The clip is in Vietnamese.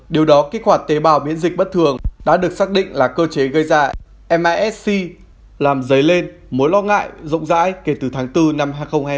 điều đó kích hoạt tế bào miễn dịch bất thường đã được xác định là cơ chế gây ra masc làm dấy lên mối lo ngại rộng rãi kể từ tháng bốn năm hai nghìn hai mươi